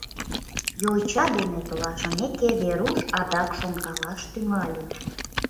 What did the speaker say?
Йоча дене толашымеке, Веруш адак шонкалаш тӱҥале.